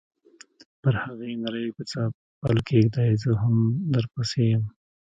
پر هغې نرۍ کوڅه پل کېږدۍ، زه هم درپسې یم.